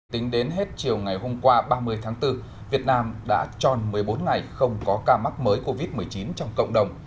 tính đến hết chiều ngày hôm qua ba mươi tháng bốn việt nam đã tròn một mươi bốn ngày không có ca mắc mới covid một mươi chín trong cộng đồng